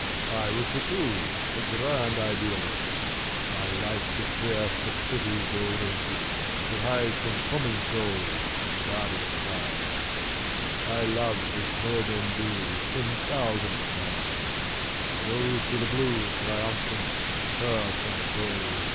I was the true, the grand idealist : My light could pierce the pretty golden mist That hides from common souls the starrier climes I loved as small men do ten thousand times ; Rose to the blue triumphant, curved my bow.